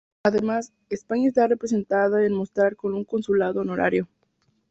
Además, España está representada en Mostar con un consulado honorario.